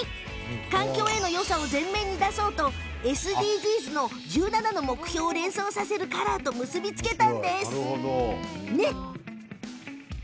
環境へのよさを前面に出そうとＳＤＧｓの１７の目標を連想させるカラーと結び付けました。